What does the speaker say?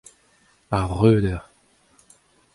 Ar vreudeur.